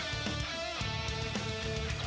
แล้วพยายามจะเสียบด้วยข้อขวา